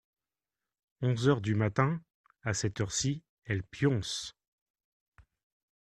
Onze heures du matin, à cette heure-ci, elle pionce…